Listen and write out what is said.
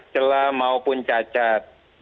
celah maupun cacat